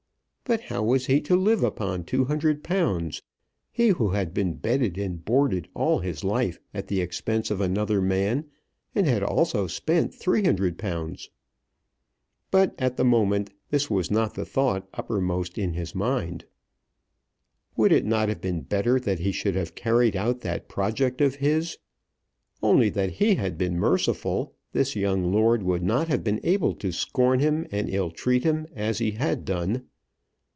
But how was he to live upon £200, he who had been bedded and boarded all his life at the expense of another man, and had also spent £300? But at the moment this was not the thought uppermost in his mind. Would it not have been better that he should have carried out that project of his? Only that he had been merciful, this young lord would not have been able to scorn him and ill treat him as he had done.